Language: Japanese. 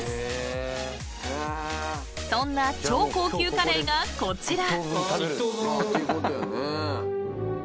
［そんな超高級カレーがこちら！］